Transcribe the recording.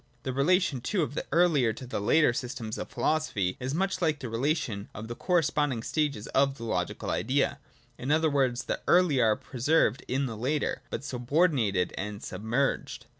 The relation too of the earlier to the later systems of philosophy is much like the relation of the cor responding stages of the logical Idea : in other words, the earlier are preserved in the later ; but subordinated and sub merged.